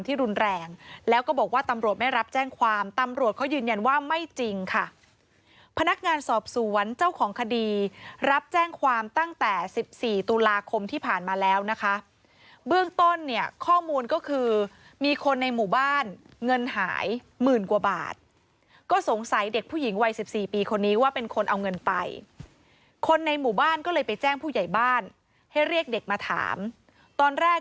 รุนแรงแล้วก็บอกว่าตำรวจไม่รับแจ้งความตำรวจเขายืนยันว่าไม่จริงค่ะพนักงานสอบสวนเจ้าของคดีรับแจ้งความตั้งแต่สิบสี่ตุลาคมที่ผ่านมาแล้วนะคะเบื้องต้นเนี่ยข้อมูลก็คือมีคนในหมู่บ้านเงินหายหมื่นกว่าบาทก็สงสัยเด็กผู้หญิงวัยสิบสี่ปีคนนี้ว่าเป็นคนเอาเงินไปคนในหมู่บ้านก็เลยไปแจ้งผู้ใหญ่บ้านให้เรียกเด็กมาถามตอนแรก